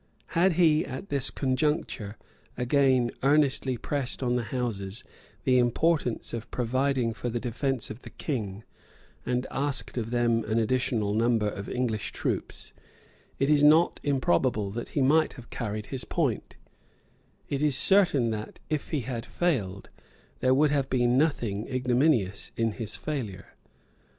Had he at this conjuncture again earnestly pressed on the Houses the importance of providing for the defence of the kingdom, and asked of them an additional number of English troops, it is not improbable that he might have carried his point; it is certain that, if he had failed, there would have been nothing ignominious in his failure.